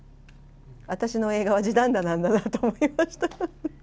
私の映画は地団駄なんだなと思いました。